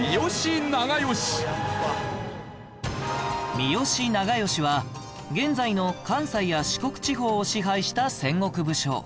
三好長慶は現在の関西や四国地方を支配した戦国武将